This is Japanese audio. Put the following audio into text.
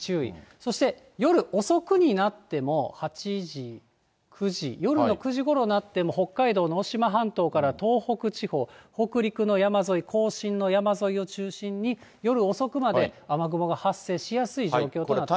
そして、夜遅くになっても、８時、９時、夜の９時ごろになっても、北海道のおしま半島から東北地方、北陸の山沿い、甲信の山沿いを中心に、夜遅くまで雨雲が発生しやすい状況となっています。